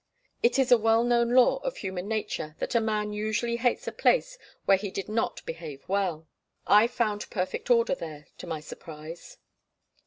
It is a well known law of human nature that a man usually hates a place where he did not behave well. I found perfect order there, to my surprise.